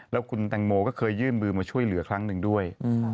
แล้วคุณแตงโมก็เคยยื่นมือมาช่วยเหลือครั้งหนึ่งด้วย